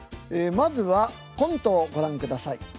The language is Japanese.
まずはコントをご覧ください。